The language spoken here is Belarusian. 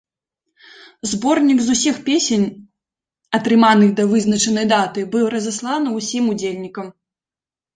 Зборнік з усіх песень, атрыманых да вызначанай даты, быў разасланы ўсім удзельнікам.